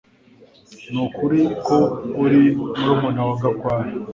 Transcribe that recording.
Nukuri ko uri murumuna wa Gakwaya